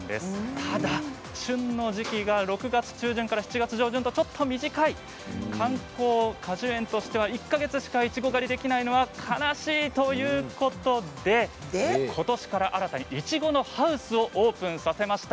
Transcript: ただ旬の時期が６月中旬から７月上旬とちょっと短い観光果樹園としては１か月しかいちご狩りができないのは悲しいということでことしから新たに、いちごのハウスをオープンさせました。